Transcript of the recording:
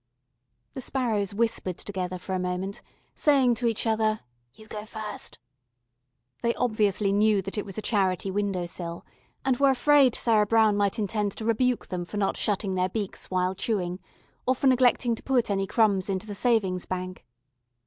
The sparrows whispered together for a moment, saying to each other, "You go first." They obviously knew that it was a charity window sill, and were afraid Sarah Brown might intend to rebuke them for not shutting their beaks while chewing, or for neglecting to put any crumbs into the Savings Bank.